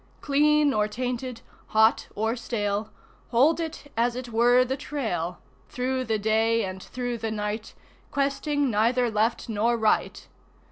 Clean or tainted, hot or stale, Hold it as it were the Trail, Through the day and through the night, Questing neither left nor right.